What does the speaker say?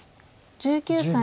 １９歳。